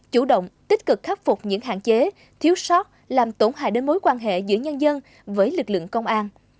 chủ động tích cực khắc phục những hạn chế thiếu sót làm tổn hại đến mối quan hệ giữa nhân dân với lực lượng công an